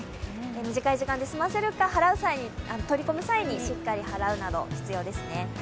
短い時間で済ませるか、取り込む際にしっかり払うなど必要ですね。